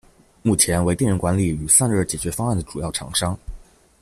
目前为电源管理与散热解决方案的主要厂商。